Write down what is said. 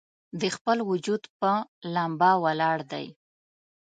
د خپل وجود پۀ ، لمبه ولاړ دی